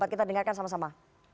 kita dengarkan sama sama